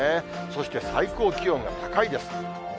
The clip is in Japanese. そして、最高気温が高いです。